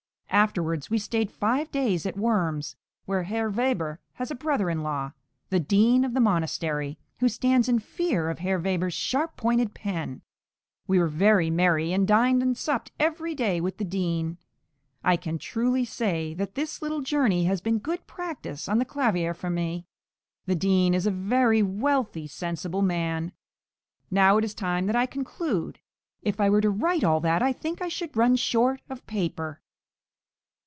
Afterwards we stayed five days at Worms, where Herr Weber has a brother in law, the Dean of the monastery, who stands in fear of Herr Weber's sharp pointed pen. We were very merry, and dined and supped every day with the Dean. I can truly say that this little journey has been good practice on the clavier for me. The Dean is a very wealthy, sensible man. Now it is time that I conclude; if I were to write all that I think I should run short of paper.